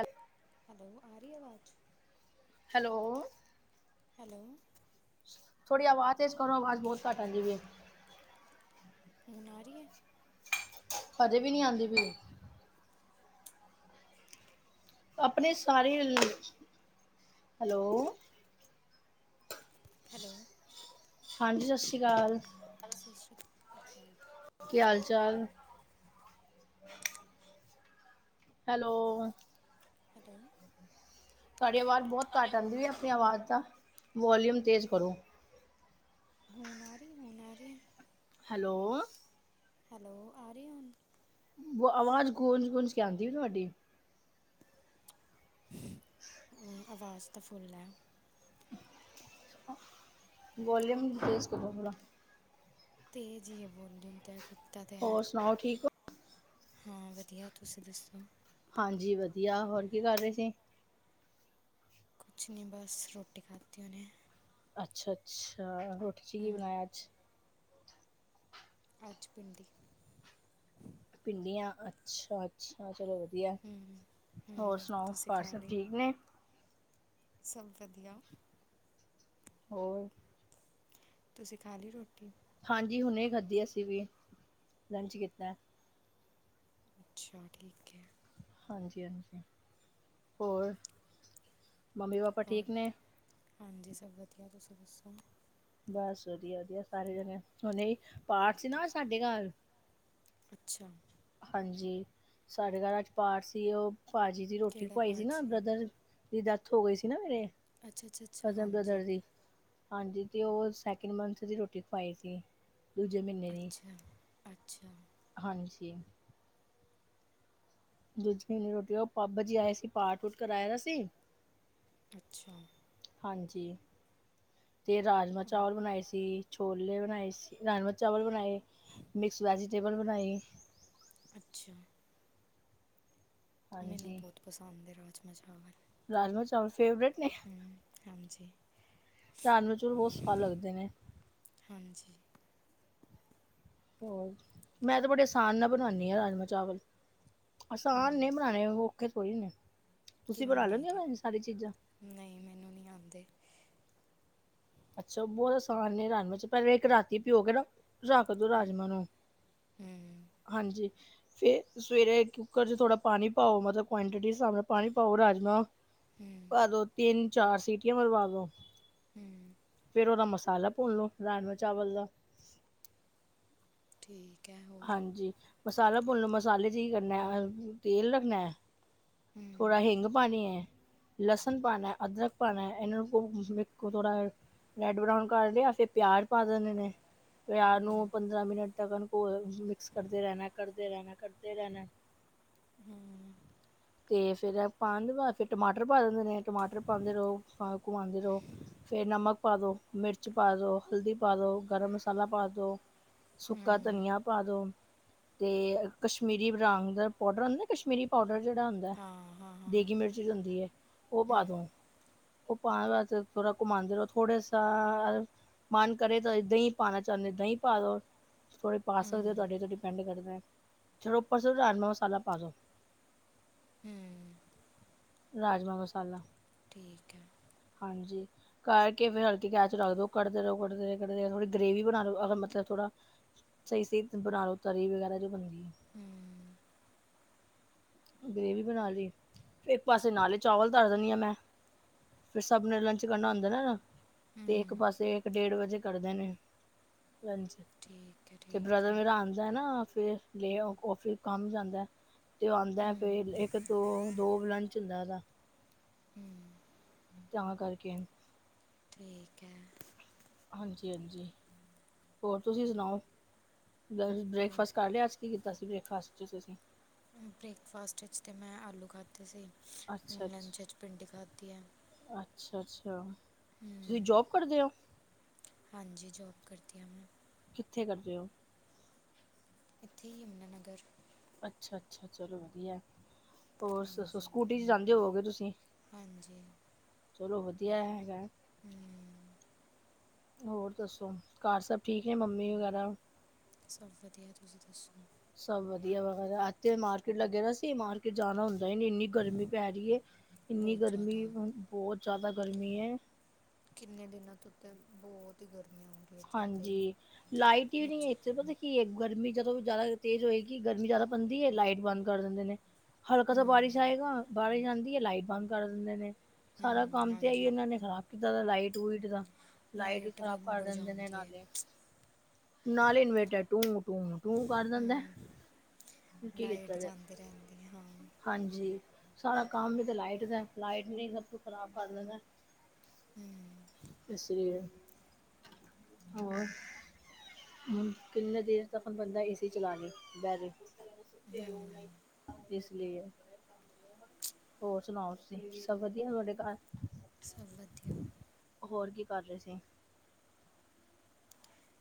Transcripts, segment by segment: ਅੱਤੇ hello, ਆਰੀ ਆਵਾਜ਼? Hello. Hello. ਥੋੜੀ ਆਵਾਜ਼ ਤੇ ਕਰੋ ਆਵਾਜ਼ ਬਹੁਤ ਘੱਟ ਆਦੀ ਵੀ। ਹੁਣ ਆ ਰੀ ਐ? ਹਜੇ ਵੀ ਨਹੀਂ ਆਉਂਦੀ ਵੀੜ ਆਪਣੇ ਸਾਰੇ। ਹੈਲੋ। ਹੈਲੋ। ਹਾਂਜੀ ਸਤਿ ਸ਼੍ਰੀ ਅਕਾਲ- [unintelligible] ਕਯਾ ਹਾਲ ਚਾਲ। Hello hello. ਤੁਡੀ ਆਵਾਜ਼ ਬਹੁਤ ਘਟ ਆਉਂਦੀ ਹੈ ਆਪਣੀ ਆਵਾਜ਼ ਦਾ ਵੋਲੀਅਮ ਤੇਜ਼ ਕਰੋ ਹੋਣ ਆ ਰੀ ਹੈਲੋ। ਹੈਲੋ ਆਰੀ ਹੁਨ- ਆਵਾਜ਼ ਗੂੰਜ-ਗੂੰਜ ਕੇ ਆਂਦੀ ਤੁਹਾਡੀ। ਹਮ ਅਵਾਜ਼ ਤਾਂ ਫੁੱਲ ਹੈ। ਵੋਲਿਊਮ ਤੇਜ ਕਰਲੋ ਥੋੜਾ। ਤੇਜ ਇਹ ਹ ਵੋਲੁਮ ਤਾਂ ਜੀ। ਹੋਰ ਸੁਣਾਓ ਠੀਕ ਹੋ। ਹਾਂ ਵਧੀਆ ਤੁਸੀਂ ਦੱਸੋ? ਹਾਂਜੀ ਵਧੀਆ ਹੋਰ ਕੀ ਕਰ ਰਹੇ ਸੀ। ਕੁਛ ਨਹੀਂ ਬਸ ਰੋਟੀ ਖਾਤੀ ਹੁਣੇ। ਅੱਛਾ-ਅੱਛਾ ਰੋਟੀ 'ਚ ਕੀ ਬਣਾਇਆ ਅੱਜ। ਅੱਜ ਪਿੰਡੀ ਪਿੰਡੀਆਂ ਅਛਾ- ਅੱਛਾ ਚਲੋ ਵਧੀਆ ਹੋਰ ਹੂੰ ਸੁਣਾਓ ਤੁਸੀਂ ਘਰ ਖਾ ਸਬ ਲਈ ਠੀਕ ਨੇ ਸਭ ਵਧੀਆ- ਹੋਰ- ਤੁਸੀਂ ਖਾ ਲਈ ਰੋਟੀ। ਹਾਂਜੀ ਹੁਣੇ ਖਾਧੀ ਅਸੀਂ ਵੀ ਲੰਚ ਕੀਤਾ। ਅੱਛਾ ਠੀਕ ਹੈ ਹਾਂਜੀ-ਹਾਂਜੀ ਹੋਰ ਮੰਮੀ ਪਾਪਾ ਹੋਰ ਠੀਕ ਨੇ। ਹਾਂਜੀ ਸਭ ਵਧੀਆ ਤੁਸੀਂ ਦੱਸੋ? ਬਸ ਵਧੀਆ-ਵਧੀਆ ਸਾਰੇ ਜਣੇ ਹੁਣ ਪਾਠ ਸੀ ਨਾ ਸਾਡੇ ਘਰ। ਅੱਛਾ। ਹਾਂਜੀ ਸਾਡੇ ਘਰ ਅੱਜ ਪਾਠ ਸੀ ਉਹ ਭਾਜੀ ਦੀ ਰੋਟੀ ਕਿਹੜਾ ਖਵਾਈ ਸੀ ਪਾਠ ਨਾ ਬ੍ਰਦਰ। ਦੀ ਡੈਥ ਹੋ ਗਈ ਸੀ ਨਾ ਮੇਰੇ ਅੱਛਾ ਅੱਛਾ ਅੱਛਾ ਕਜ਼ਨ ਹਾਂਜੀ ਬ੍ਰਦਰ ਦੀ ਹਾਂਜੀ ਤੇ ਉਹ ਸੈਕਿੰਡ ਮੰਥ ਦੀ ਰੋਟੀ ਖਵਾਈ ਸੀ ਦੂਜੇ ਮਹੀਨੇ ਦੀ ਅੱਛਾ। ਅੱਛਾ। ਹਾਂਜੀ ਦੂਜ ਰੋਟੀ ਉਹ ਬਾਬਾ ਜੀ ਆਏ ਸੀ ਪਾਠ ਵੂਟ ਕਰਵਾਏ ਦਾ ਸੀ। ਅੱਛਾ। ਹਾਂਜੀ ਤੇ ਰਾਜਮਾ ਚਾਵਲ ਬਣਾਏ ਸੀ। ਛੋਲੇ ਬਣਾਏ ਸੀ। ਰਾਜਮ ਚਾਵਲ ਬਣਾਏ। ਮਿਕਸ ਵੈਜੀਟੇਬਲ ਬਣਾਏ। ਅਛਾ- ਮੈਨੂੰ ਹਾਂਜੀ। ਬੋਤ ਪਸੰਦ ਹੈ। ਰਾਜਮ ਚਾਵਲ। ਰਾਜ ਮਾ ਚਾਵਲ ਫੇ ਵਰਟ ਨੇ ਹੂੰ ਹਾਂਜੀ ਰਾਜ ਮਾ ਚੋਲ ਬੋਤ ਸਵਾਦ ਲੱਗਦੇ ਨੇ ਹਾਂਜੀ, ਹੋਰ ਮੈਂ ਤੇ ਬੜੇ ਆਸਾਨ ਨਾਲ ਬਣਾਨੀ ਏ ਰਾਜਮ ਚਾਵਲ ਆਸਾਨ ਹੂੰ ਨੇ ਬਣਾਣੇ ਔਖੇ ਥੋੜੀ ਨੇ। ਤੁਸੀਂ ਕਿਵੇ ਬਣਾ ਬਣਾਈ ਲੈਂਦੇ ਦੇ ਹੋ ਸਾਰੀ ਚੀਜ਼ਾਂ? ਨੇ ਮੈਨੂੰ ਨੀ ਆਂਦੇ। ਅੱਛਾ ਬਹੁਤ ਆਸਾਨ ਨੇ ਰਨਮ ਪਹਿਲਾਂ ਇੱਕ ਰਾਤੀ ਪੀਓਗੇ ਨਾ ਰੱਖਦੋ ਰਾਜਮਾਹ ਨੂੰ ਹੂੰ ਹਾਂਜੀ- ਫਿਰ ਸਵੇਰੇ ਕੁੱਕਰ 'ਚ ਥੋੜਾ ਪਾਣੀ ਪਾਓ ਮਤਲਬ ਕੁਆਂਟਿਟੀ ਦੇ ਹਿਸਾਬ ਨਾਲ ਪਾਣੀ ਪਾਓ ਰਾਜਮਾ ਹੂੰ ਪਾ ਦੋ ਤਿੰਨ ਚਾਰ ਸੀਟੀਆਂ ਮਰਵਾ ਦੋ। ਹੂੰ ਫੇਰ ਉਹਦਾ ਮਸਾਲਾ ਭੁੰਨ ਲਓ ਰਾਜਮਾਹ ਚਾਵਲ ਦਾ ਠੀਕ। ਹੈ ਹੋਰ ਹਾਂਜੀ, ਮਸਾਲਾ ਭੁਨੋ ਮਸਾਲੇ ਚ ਹੀ ਕਰਨਾ ਤੇਲ ਰੱਖਣਾ। ਹੂੰ, ਥੋੜਾ ਹਿੰਗ ਪਾਣੀ ਐ ਲਸਣ ਪਾਣਾ ਅਦਰਕ ਪਾਣਾ ਇਹਨਾਂ ਨੂੰ ਵੇਖੋ ਥੋੜਾ ਰੈਡ ਬਰਾਉਨ ਕਰ ਲਿਆ ਫਿਰ ਪਿਆਜ ਪਾ ਦਿੰਦੇ ਨੇ। ਪਿਆਜ ਨੂੰ ਹੂੰ ਪੰਦਰਾਂ ਮਿੰਟ ਤੱਕ ਮਿਕਸ ਕਰਦੇ ਰਹਿਣਾ ਕਰਦੇ ਰਹਿਣਾ ਕਰਦੇ ਰਹਿਣਾ। ਤੇ ਫੇਰ ਪਾ ਦੇ ਫਿਰ ਟਮਾਟਰ ਪਾ ਦਿੰਦੇ ਨੇ ਟਮਾਟਰ ਪਾਉਂਦੇ ਰਹੋ ਘੁੰਮਾਉਂਦੇ ਰਹੋ। ਫਿਰ ਨਮਕ ਪਾ ਦਿਉ ਮਿਰਚ ਪਾ ਦਿਉ ਹਲਦੀ ਪਾ ਦਿਉ ਗਰਮ ਮਸਾਲਾ ਪਾ ਦਿਉ। ਸੁੱਕਾ ਹੂੰ ਧਨੀਆ ਪਾ ਦੋ। ਤੇ ਕਸ਼ਮੀਰੀ ਰੰਗ ਦਾ ਪਾਡਰ ਹੁੰਦਾ ਨਾ ਕਸ਼ਮੀਰੀ ਪਾਡਰ ਜਿਹੜਾ ਹੁੰਦਾ। ਹਾਂ ਹਾਂ ਹਾਂ ਦੇਗੀ ਮਿਰਚੀ ਹੁੰਦੀ ਐ ਉਹ ਹੂੰ ਪਾਦੋ। ਉਹ ਪਾਣ ਵਾਸਤੇ ਥੋੜ੍ਹਾ ਘੁੰਮਾਉਂਦੇ ਰਹੋ ਥੋੜੇ ਸ ਮਨ ਕਰੇ ਤਾਂ ਦਹੀਂ ਪਾਣਾ ਚਾਹੁੰਦੇ ਦਹੀਂ ਪਾ ਦੋ। ਕੋਈ ਪਾ ਸਕਦੇ ਹੋ ਹੂੰ ਤੁਹਾਡੇ ਤੇ ਡਿਪੈਂਡ ਕਰਦਾ ਹੈ ਚੋ ਉਪਸ ਮਸਾਲਾ ਪਾ ਦੋ। ਹੂੰ ਰਾਜਮਾਂ ਮਸਾਲਾ। ਠੀਕ ਹੈ। ਹਾਂਜੀ, ਕਰਕੇ ਫਿਰ ਹਲਕੀ ਗੇਸ ਚ ਰੱਖ ਦੋ ਕੱਢ ਰਹੋ ਕੱਢ ਰ ਕੱਢਦੇ ਗ੍ਰੇਵੀ ਬਣਾ ਲਓ ਮਤਲਬ ਥੋੜਾ ਸਹੀ ਸਹੀ ਬਣਾ ਲ ਲੋ ਤਰੀ ਵਗੈਰਾ ਜੋ ਬਣਦੀ ਐ। ਹੂੰ ਗ੍ਰੇਵੀ ਬਣਾ ਲਈ ਫਿਰ ਇੱਕ ਪਾਸੇ ਨਾਲੇ ਚਾਵਲ ਤਰ ਦਿੰਦੀ ਆ ਮੈਂ। ਫਿਰ ਸਭ ਨੇ ਲੰਚ ਕਰਨਾ ਹੁੰਦਾ ਨਾ ਨਾ। ਤੇ ਇਕ ਪਾਸੇ ਇਕ ਡੇਢ ਵਜੇ ਕਰਦੇ ਨੇ ਠੀਕ ਹੈ ਤੇ ਠੀਕ ਬ੍ਰਦਰ ਹੈ ਮੇਰਾ ਆਂਦਾ ਨਾ ਫੇਰ [unintelligible] ਕੰਮ ਜਾਂਦਾ ਤੇ ਆਉਂਦਾ ਫੇ ਇੱਕ ਦੋ ਦੋ ਲੰਚ ਹੁੰਦਾ। ਤਾਂ ਕਰਕੇ। ਠੀਕ ਹੈ। ਹਾਂਜੀ ਹਾਂਜੀ, ਹੋਰ ਤੁਸੀਂ ਸੁਣਾਓ ਹੋਰ ਬ੍ਰੇਕਫਾਸਟ ਕਰ ਲਿਆ ਅੱਜ ਕੀ ਕੀਤਾ ਸੀ ਬ੍ਰੇਕਫਾਸਟ ' ਤੁਸੀਂ। ਬ੍ਰੇਕਫਾਸਟ ਵਿਚ ਤਾਂ ਮੈ ਆਲੂ ਖਾਧੇ ਸੀ। ਅੱਛਾ ਲੰਚ ਅੱਛਾ ਵਿੱਚ ਭਿੰਡੀ ਖਾਧੀ ਹੈ। ਹੂੰ ਪੜਦਾ ਹੋ। ਹਾਂਜੀ ਜੋਬ ਕਰਦੀ ਆ ਮੈਂ, ਕਿੱਥੇ ਕਰਦੇ ਹੋ। ਇਥੇ ਹੀ ਯਮੁਨਾਨਗਰ ਅੱਛਾ ਅੱਛਾ, ਚਲੋ ਵਧੀਆ। ਹੋਰ ਸ ਹਾਂਜੀ ਸਕੂਟੀ ਚ ਜਾਂਦੇ ਹੋਵਗੇ ਤੁਸੀਂ ਹਾਂਜੀ ਚਲੋ ਵਧੀਆ ਹੈਗਾ। ਹੂੰ, ਹੋਰ ਦੱਸੋ ਘਰ ਸਭ ਠੀਕ ਨੇ ਮੰਮੀ ਵਗੈਰਾ। ਸਭ ਵਧੀਆ ਤੁਸੀ ਦੱਸੋ- ਸਭ ਵਧੀਆ ਵ ਇਥੇ ਮਾਰਕੀਟ ਲੱਗੇ ਦਾ ਸੀ ਮਾਰਕੀਟ ਜਾਣਾ ਹੁੰਦਾ ਹੀ ਨਹੀ ਇਨੀ ਗਰਮੀ ਪੈ ਰਹੀ ਹੈ। ਇਨੀ ਬਹੁਤ ਗਰਮੀ ਜ਼ਿਆਦਾ ਬਹੁਤ ਜਿਆਦਾ ਗਰਮੀ ਹੈ। ਕਿਨੇ ਦਿਨਾਂ ਤੋ ਉੱਤੇ ਬਹੁਤ ਹੀ ਗਰਮੀਆਂ ਵਾ ਹਾਂਜੀ ਲਾਈਟ ਹੀ ਨਹੀਂ ਇੱਥੇ ਪਤਾ- ਕਿ ਗਰਮੀ ਜਦੋਂ ਜ਼ਿਆਦਾ ਤੇਜ਼ ਹੋਏਗੀ ਗਰਮੀ ਜ਼ਿਆਦਾ ਬੰਦੀ ਹੈ ਲਾਈਟ ਬੰਦ ਕਰ ਦਿੰਦੇ ਨੇ। ਹਲਕਾ ਤਾਂ ਬਾਰਿਸ਼ ਆਏਗਾ ਬਾਰਿਸ਼ ਆਦੀ ਹੈ। ਲਾਈਟ ਬੰਦ ਕਰ ਦਿੰਦੇ ਨੇ- ਸਾਰਾ ਹੂੰ ਕੰਮ ਤੇ ਆਈ ਹਾਂਜੀ ਇਹਨਾਂ ਨੇ ਖ਼ਰਾਬ ਕੀਤਾ ਲਾਈਟ ਲਿਓਟ ਦਾ ਵੀ ਲਾਈਟ ਖ਼ਰਾਬ ਕਰ ਵੀਮੜ ਦਿੰਦੇ ਨੇ ਜਾਂਦੀ ਹੈ। ਨਾਲੇ ਨਾਲੇ ਇਨਵੇਟਰ ਟੂ ਟੂ। ਮੂੰਹ ਬੰਨ ਲੈਦੇ ਆ ਹੂੰ ਫਿਰ ਕੀ ਲਾਈਟ ਕੀਤਾ ਜਾਏ ਜਾਂਦੀ ਰਹਿੰਦੀ ਹੈ ਹਾਂ ਹਾਂਜੀ ਸਾਰਾ ਕੰਮ ਤੇ ਲਾਈਟ ਦਾ ਲਾਈਟ ਨਹੀਂ ਸਭ ਕੁਛ ਖ਼ਰਾਬ ਕਰ ਦਿੰਦਾ ਹੂ,,, ਇਸ ਲੀਏ ਹੋਰ। ਹੂ ਕਿੰਨੇ ਦੇਰ ਤੱਕ ਬੰਦਾ ਏਸੀ ਚਲਾ ਲੇ ਬਹਿ ਜਾਏ। ਇਸ ਲਈਏ। ਹੋਰ ਸੁਣਾਓ ਤੁਸੀਂ ਸਭ ਵਧੀਆ ਤੁਹਾਡੇ ਘਰ। ਸਭ ਵੱਧੀਆ। ਹੋਰ ਕੀ ਕਰ ਰਹੇ ਸੀ।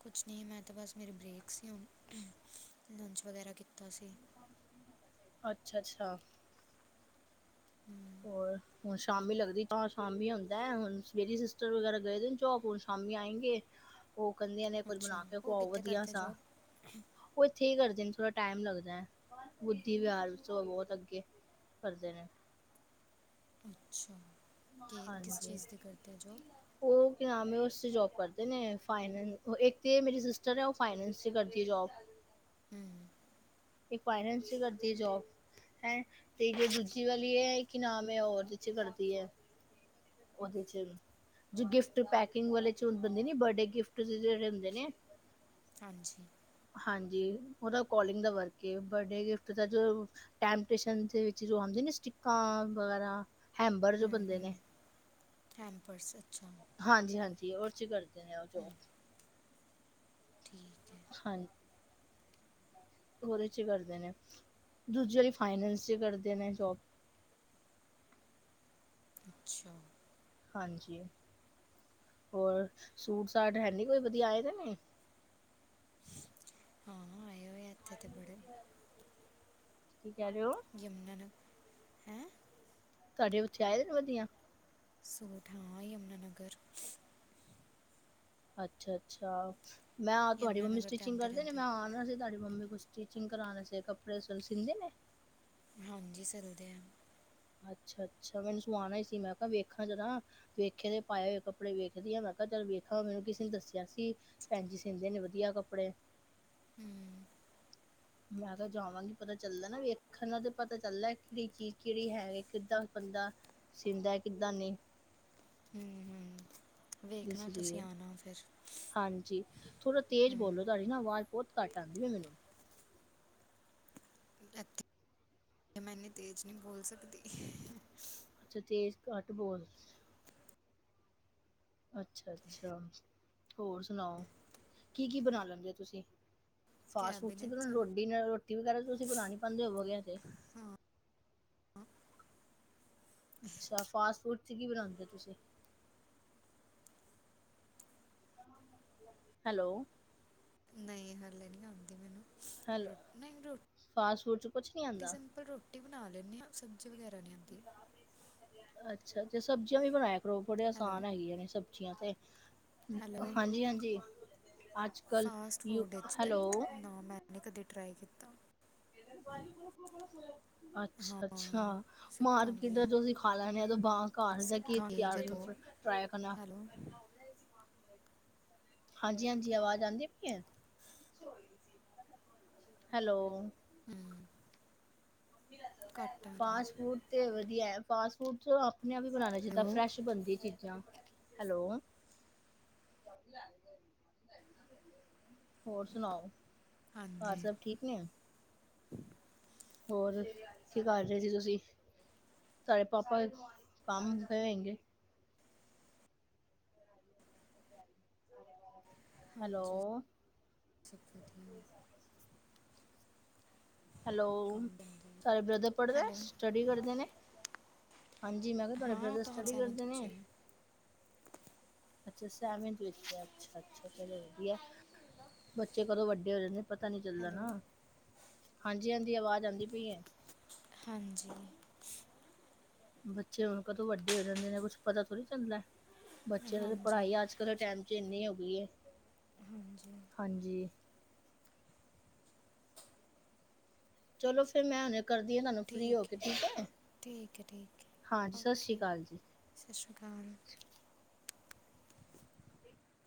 ਕੁਛ ਨਹੀਂ ਮੈਂ ਤਾਂ ਬਸ ਮੇਰੀ ਬਰੇੇਕ ਸੀ ਹੁਣ ਲੰਚ ਵਗੈਰਾ ਕੀਤਾ ਸੀ। ਅੱਛਾ- ਅੱਛਾ। ਹੋਰ ਹੁਣ ਸ਼ਾਮੀ ਲੱਗਦੀ ਸ਼ਾਮੀ ਆਉਦਾ ਹੁਣ ਮੇਰੀ ਸਿਸਟਰ ਵਗੈਰਾ ਗਏ ਦੇ ਨੇ ਜੋ ਹੁਣ ਸ਼ਾਮੀ ਆਏਗੇ। ਉਹ ਕੱਲੀਆਂ ਨੇ ਕੁਝ ਬਣਾ ਅੱਛਾ ਕੇ ਉਹ ਖਵਾਓ ਕਿੱਥੇ ਵਧੀਆ ਕਰਦੇ ਸਾਂ ਜੋਬ ਉਹ ਇੱਥੇ ਹੀ ਕਰਦੇ ਨੇ ਥੋੜਾ ਟਾਈਮ ਲੱਗਦਾ ਬੁੱਧੀ ਵਿਹਾਰ ਤੋਂ ਬਹੁਤ ਅੱਗੇ। ਕਰਦੇ ਨੇ। ਅੱਛਾ ਕੀ ਕਿਸ ਚੀਜ਼ ਦੀ ਕਰਦੇ ਜੋਬ [unintelligible] ਫਾਈਨੈਸ ਉਸ 'ਚ ਜੋਬ ਕਰਦੇ ਨੇ ਫਾਈਨਲ ਇੱਕ ਤਾਂ ਮੇਰੀ ਸਿਸਟਰ ਹੈ ਉਹ ਫਾਈਨਲਸ ' ਕਰਦੀ ਹੈ ਜੋਬ। ਹੂੰ ਇਹ ਫਾਈਨਲਸ ਚ ਕਰਦੀ ਜੋਬ ਹੈ ਤੇ ਹੋ ਜੋ ਦੂਜੀ ਵਾਲੀ ਹੈ ਕੀ ਨਾਮ ਇਹ ਹੋਰ ਚ ਕਰਦੀ ਏ। ਉਹਦੇ ਚ। ਗਿਫਟ ਪੈਕਿੰਗ ਵਾਲੇ ਚ ਬਦੇ ਨੇ ਬਰਡੇ ਗਿਫਟ ਜਿਹੜੇ ਹੁੰਦੇ ਨੇ ਹਾਂਜੀ ਹਾਂਜੀ ਉਹਦਾ ਕੋਲਿੰਗ ਦਾ ਵਰਕ ਅ ਬਰਡੇ ਗਿਫਟ ਦਾ ਜੋ। ਟਾਈਮ ਟੇਸ਼ਨ ਵਿੱਚ ਲਵਾਉਂਦੇ ਨੇ ਸਟਿਕਾਂ ਵਗੈਰਾ ਹੈਂਬਰ ਜੋ ਹੂ ਬਣਦੇ ਹੂ ਨੇ ਕੈਂਪਸ ਅੱਛਾ। ਹਾਂਜੀ ਹਾਂਜੀ ਉੱਚ ਕਰਦੇ ਨੇ ਉਹ ਜੋ ਠੀਕ ਹੈ। ਹਾਂਜੀ। ਉਹਦੇ ਚ ਕਰਦੇ ਨੇ ਦੂਜੀ ਵਾਰੀ ਫਾਈਨਸ ਚ ਕਰਦੇ ਨੇ ਜੋਬ। ਅੱਛਾ। ਹਾਂਜੀ ਹੋਰ ਸੂਟ ਸਾਟ ਹੈ ਨਹੀਂ ਕੋਈ ਵਧੀਆ ਆਏ ਦੇ ਨੇ। ਹਾਂ ਹਾਂ ਆਏ ਇਥੇ। ਕੀ ਕਹਿ ਰਹੇ ਹੋ। ਯਮਨਾਂ ਨਗਰ। ਹੈਂ ਤੁਹਾਡੇ ਉੱਥੇ ਆਏ ਨੇ ਵਧੀਆ ਸੂਟ ਹਾਂ ਏ। ਯਮਨਾਨਗਰ। ਅੱਛਾ, ਅੱਛਾ ਮੈਂ ਤੁਹਾਡੀ ਯਮੁਨਾ ਮੰਮੀ ਨਗਰ ਦੇ ਸਟਿਚਿੰਗ ਆਉਂਦੇ ਕਰਦੇ ਨੇ ਰਹਿੰਦੇ ਮੈਂ ਆਣਾ ਸੀ ਤੁਹਾਡੀ ਮੰਮੀ ਕੁਛ ਸਟਿਚਿੰਗ ਕਰਾਣੇ ਚ ਕੱਪੜੇ ਸਿਲਦੇ ਨੇ। ਹਾਂਜੀ ਸਿਲਦੇ ਆ। ਅੱਛਾ-ਅੱਛਾ ਮੈ ਸਵਾਉਣਾ ਹੀ ਸੀ ਮੈਂ ਕਿਹਾ ਵੇਖਾਂ ਜਰਾ। ਵੇਖੇ ਦੇ ਪਾਏ ਹੋਏ ਕੱਪੜੇ ਵੇਖਦੀ ਆਂ, ਮੈਂ ਕਿਹਾ ਚੱਲ ਵੇਖਾਂ ਮੈਨੂੰ ਕਿਸੇ ਨੇ ਦੱਸਿਆ ਸੀ। ਭੈਣ ਜੀ ਸੀਂਦੇ ਨੇ ਵਧੀਆ ਕੱਪੜੇ। ਹੂੰ, ਮੈਂ ਤਾ ਜਾਵਾਂਗੀ, ਪਤਾ ਚੱਲਦਾ ਨਾ ਵੀ ਦੇਖਣ ਤੇ ਪਤਾ ਚੱਲਦਾ ਕਿਹੜੀ ਕਿ ਚੀਜ਼ ਕਿਹੜੀ ਹੈ, ਕਿੱਦਾਂ ਬੰਦਾ ਸੀਂਦਾ, ਕਿੱਦਾਂ ਨਈ। ਹੂੰ-ਹੂੰ, ਇਸ ਵੇਖਣਾ ਤੁਸੀਂ ਲਈ ਆਣਾ ਫਿਰ। ਹਾਂਜੀ, ਥੋੜ੍ਹਾ ਤੇਜ਼ ਹੂੰ ਬੋਲੋ, ਤੁਹਾਡੀ ਨਾ ਆਵਾਜ਼ ਬਹੁਤ ਘੱਟ ਆਂਦੀ ਵੀ ਐ ਮੈਨੂੰ। [unintelligible] ਜੀ ਮੈਂ ਇੰਨੀ ਤੇਜ਼ ਨੀ ਬੋਲ ਸਕਦੀ। ਅੱਛਾ, ਤੇਜ਼ ਘੱਟ ਬੋਲ। ਅੱਛਾ-ਅੱਛਾ, ਹੋਰ ਸੁਣਾਓ, ਕੀ-ਕੀ ਬਣਾ ਲੈਂਦੇ ਹੋ ਤੁਸੀਂ। ਫਾਸਟ ਫੂਡ ਚ ਰੋ ਕੈਬਨਿਟ ਜਾਣਾ ਰੋਟੀ ਵਗੈਰਾ, ਤੁਸੀਂ ਬਣਾ ਨੀ ਪਾਂਦੇ ਹੋਵੋਗੇੇ ਹਜੇ। ਹੂੰ, ਅੱਛਾ, ਫਾਸਟ ਫੂਡ ਚ ਕੀ ਬਣਾਂਦੇ ਓ ਤੁਸੀਂ। ਹੈਲੋ, ਨਈ, ਹਲੇ ਨੀ ਆਉਂਦੀ ਮੈਨੂੰ। ਹੈਲ ਰੋਟੀ ਨਈ ਰੋ ਟੀ ਫਾਸਟ ਫੂਡ 'ਚ ਕੁਛ ਨੀ ਨਈ ਆਂਦਾ? ਸਿੰਪਲ ਰੋ ਰੋਟੀ ਬਣਾ ਲੈਂਨੇ ਆਂ, ਸਬਜ਼ੀ ਵਗੈਰਾ ਨੀ ਆਂਦੀ। ਅੱਛਾ, ਤੇ ਸਬਜ਼ੀਆਂ ਵੀ ਬਣਾਇਆ ਕਰੋ, ਬੜੇ ਹੈਲੋ ਆਸਾਨ ਹੈਗੀਆਂ ਨੇ ਸਬਜ਼ੀਆਂ ਤੇ। ਹੈਲੋ ਹਾਂਜੀ-ਹਾਂਜੀ, ਅੱਜ-ਕੱਲ ਯੂ ਹੈਲੋ ਨੀ ਕਦੇ ਟਰਾਈ ਕੀਤਾ। ਹਾਂ ਅੱਛਾ-ਅੱਛਾ। ਮਾਰਕੀਟ ਸਿੱਖਾਂਗੇ ਦਾ ਜੋ ਤੁਸੀਂ ਖਾ ਲੈਨੇ ਆ, ਘਰ ਦਾ ਕੀ ਸਿੱਖਾਂਗੇ ਜਦੋਂ ਟਰਾਏ ਕਰਨਾ। ਹੈਲੋ ਹਾਂਜੀ-ਹਾਂਜੀ, ਆਵਾਜ਼ ਆਂਦੀ ਪਈ ਐ, ਹੈਲੋ ਘੱਟ ਆ ਰਹੀ ਹੈ ਫਾਸਟ ਫੂਡ ਤੇ ਵਧੀਆ, ਫਾਸਟ ਫੂਡ ਚ ਆਪਣੇ ਆਪ ਹੀ ਬਣਾਣਾ ਚਾਹੀਦਾ, ਹੈਲੋ ਫਰੈਸ਼ ਬਣਦੀ ਐ ਚੀਜ਼ਾਂ, ਹੈਲੋ ਹੋਰ ਸੁਣਾਓ, ਘਰ ਹਾਂਜੀ ਸਭ ਠੀਕ ਨੇ। ਹੋਰ ਕੀ ਕਰ ਰਹੇ ਸੀ ਤੁਸੀਂ। ਤਹਾਡੇ ਪਾਪਾ ਕੰਮ ਕਰ ਰਹੇ ਹੋਏਗੇ। ਹਾਂਜੀ, ਹੈਲੋ ਸਬ ਵਧੀਆ। ਹੈਲੋ, ਕੰਮ ਬੰਦੇ ਤਹਾਡਾ ਬਰਦਰ ਪੜ੍ਹਦਾ, ਹੈਲੋ ਸਟੱਡੀ ਕਰਦੇ ਨੇ। ਹਾਂਜੀ, ਮੈਂ ਕਿਹਾ ਤੁਹਾਡੇ ਹਾਂ ਉਹ ਬ੍ਰਦਰ ਤਾਂ ਹਾਲੇ ਸਟੱਡੀ ਸੈਵਨਥ ਕਰਦੇ ਚ ਨੇ। ਹੈ ਅੱਛਾ, ਸੈਵਨਥ ਵਿੱਚ ਐ, ਅੱਛਾ-ਅੱਛਾ ਚਲੋ ਵਧੀਆ, ਬੱਚੇ ਕਦੋਂ ਵੱਡੇ ਹੋ ਜਾਂਦੇ ਨੇ। ਪਤਾ ਨੀ ਚੱਲਦਾ ਹੈਲੋ ਨਾ, ਹਾਂਜੀ-ਹਾਂਜੀ ਆਵਾਜ਼ ਆਂਦੀ ਪਈ ਐ। ਹਾਂਜੀ। ਬੱਚੇ ਹੁਣ ਕਦੋਂ ਵੱਡੇ ਹੋ ਜਾਂਦੇ ਨੇ ਕੁੱਛ ਪਤਾ ਥੋੜੀ ਚੱਲਦਾ, ਬੱਚੇ ਨੂੰ ਤਾਂ ਹਾਂਜੀ ਪੜ੍ਹਾਈ ਅੱਜ ਕੱਲ ਦੇ ਟਾਈਮ ਚ ਏਨੀ ਹੋ ਗਈ ਏ। ਹਾਂਜੀ। ਹਾਂਜੀ। ਚਲੋ ਫੇਰ ਮੈਂ ਹੁਨੇ ਕਰਦੀ ਆਂ ਤੁਹਾਨੂੰ ਫ੍ਰੀ ਹੋ ਕੇ ਠੀਕ ਐ, ਠੀਕ ਹੈ ਹਾਂਜੀ ਸਸ ਰੀ ਕਾਲ। ਸਸ ਰੀ ਕਾਲ।